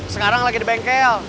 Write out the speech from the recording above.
sekarang lagi di bengkel